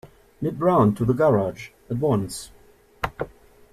Nip round to the garage at once.